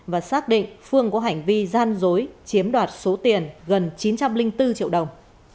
và xác định phương có hành vi gian dối chiếm đoạt số tiền gần chín trăm linh bốn triệu đồng